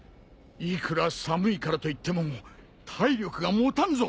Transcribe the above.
いくら寒いからといっても体力が持たんぞ。